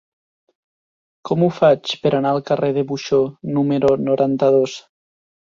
Com ho faig per anar al carrer de Buxó número noranta-dos?